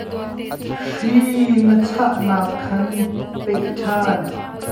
Hri na chahnak khan peh ṭhan.